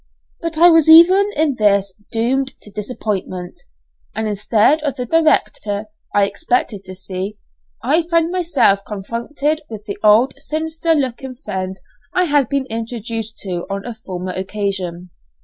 But I was even in this doomed to disappointment, and instead of the director I expected to see, I found myself confronted by the old sinister looking friend I had been introduced to on a former occasion.